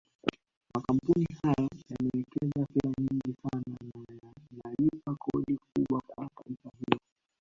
Makampuni hayo yamewekeza fedha nyingi sana na yanalipa kodi kubwa kwa taifa hilo